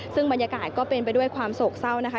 ซึ่งบรรยากาศก็เป็นไปด้วยความโศกเศร้านะคะ